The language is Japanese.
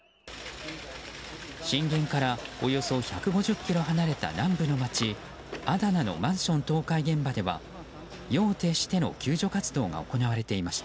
震源からおよそ１５０ｋｍ離れた南部の街アダナのマンション倒壊現場では夜を徹しての救助活動が行われていました。